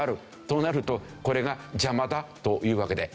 となるとこれが邪魔だというわけで。